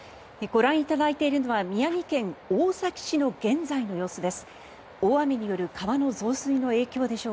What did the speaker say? ご覧いただいているのは宮城県大崎市の現在の様子です。